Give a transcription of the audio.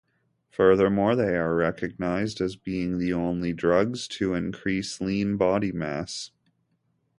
Furthermore, they are recognized as being the only drugs to increase lean body mass.